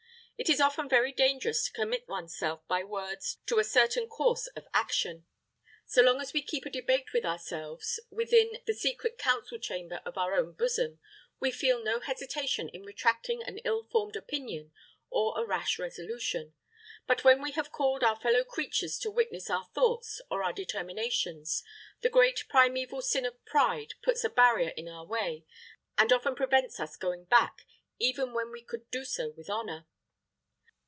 It is often very dangerous to commit one's self by words to a certain course of action. So long as we keep a debate with ourselves within the secret council chamber of our own bosom, we feel no hesitation in retracting an ill formed opinion or a rash resolution; but when we have called our fellow creatures to witness our thoughts or our determinations, the great primeval sin of pride puts a barrier in our way, and often prevents us going back, even when we could do so with honor.